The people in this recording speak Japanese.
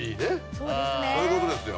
そういうことですよ。